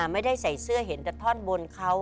ไม่ได้ใส่เสื้อเห็นแต่ท่อนบนเขา